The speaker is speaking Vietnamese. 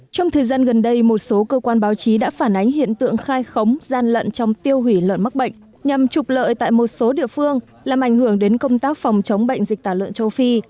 trong thời gian gần đây một số cơ quan báo chí đã phản ánh hiện tượng khai khống gian lận trong tiêu hủy lợn mắc bệnh nhằm trục lợi tại một số địa phương làm ảnh hưởng đến công tác phòng chống bệnh dịch tả lợn châu phi